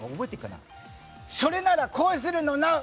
それならこうするのなう。